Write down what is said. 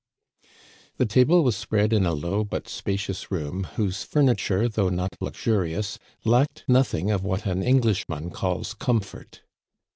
The table was spread in a low but spacious room, whose furniture, though not luxurious, lacked nothing of what an Englishman calls comfort.